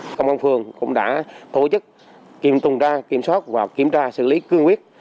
công an phương cũng đã tổ chức kiểm soát và kiểm tra xử lý cương quyết